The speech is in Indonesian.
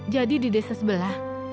jadi di desa sebelah